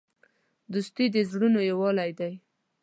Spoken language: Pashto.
دوستي د زړونو یووالی دی.